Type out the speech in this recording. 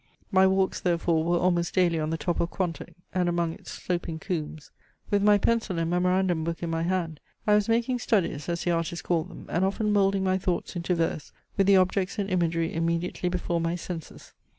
My walks therefore were almost daily on the top of Quantock, and among its sloping coombes. With my pencil and memorandum book in my hand, I was making studies, as the artists call them, and often moulding my thoughts into verse, with the objects and imagery immediately before my senses.